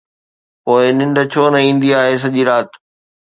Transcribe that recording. پوءِ ننڊ ڇو نه ايندي آهي سڄي رات